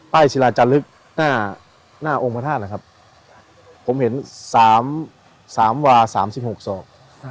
ป้ายศิราจรรยภ์หลักหน้านะครับผมเห็น๓วา๓๖สอก